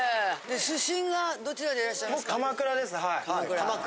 出身がどちらでいらっしゃいますか？